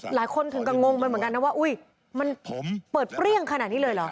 หลายคนถึงกับงงไปเหมือนกันนะว่าอุ้ยมันเปิดเปรี้ยงขนาดนี้เลยเหรอ